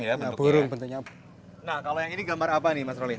nah kalau yang ini gambar apa nih mas roli